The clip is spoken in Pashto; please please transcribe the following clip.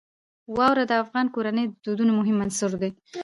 واوره د افغان کورنیو د دودونو مهم عنصر دی.